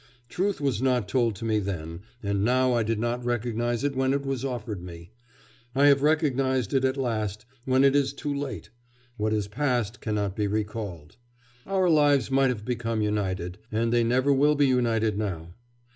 Truth was not told to me then, and now I did not recognise it when it was offered me.... I have recognised it at last, when it is too late.... What is past cannot be recalled.... Our lives might have become united, and they never will be united now.